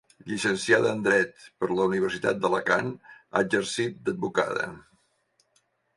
Llicenciada en dret per la Universitat d'Alacant ha exercit d'advocada.